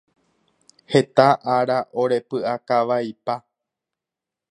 Heta ára orepyʼakavaipa.